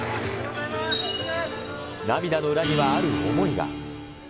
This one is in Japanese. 涙の裏にはある思いが。